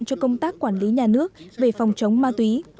cho công tác quản lý nhà nước về phòng chống ma túy